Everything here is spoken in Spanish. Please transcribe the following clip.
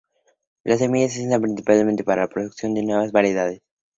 Las semillas se usan principalmente para la producción de nuevas variedades.